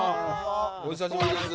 お久しぶりです。